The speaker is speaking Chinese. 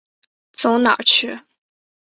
走到哪儿去。